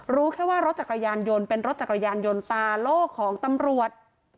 รู้แค่ว่ารถจักรยานยนต์เป็นรถจักรยานยนต์ตาโล่ของตำรวจ